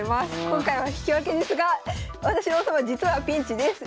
今回は引き分けですが私の王様実はピンチです。